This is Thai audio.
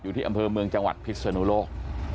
อยู่ที่อำเภอเมืองจังหวัดพิษนุโลก